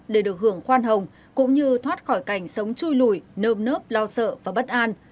để được hưởng khoan hồng cũng như thoát khỏi cảnh sống chui lủi nơm nớp lo sợ và bất an